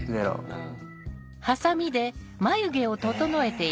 うん。